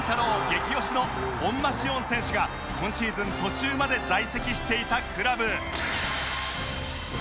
激推しの本間至恩選手が今シーズン途中まで在籍していたクラブ